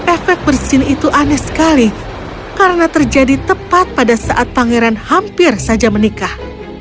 efek bersin itu aneh sekali karena terjadi tepat pada saat pangeran hampir saja menikah